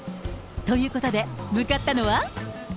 ということで、向かったのは。